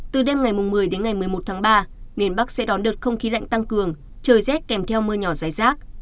từ đêm ngày một mươi đến ngày một mươi một tháng ba miền bắc sẽ đón đợt không khí lạnh tăng cường trời rét kèm theo mưa nhỏ dài rác